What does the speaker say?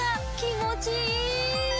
気持ちいい！